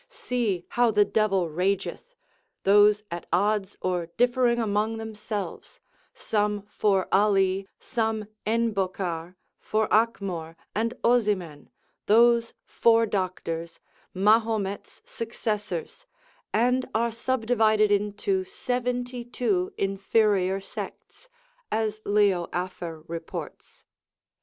See how the devil rageth: those at odds, or differing among themselves, some for Ali, some Enbocar, for Acmor, and Ozimen, those four doctors, Mahomet's successors, and are subdivided into seventy two inferior sects, as Leo Afer reports.